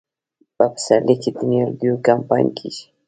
په پسرلي کې د نیالګیو کمپاین کیږي.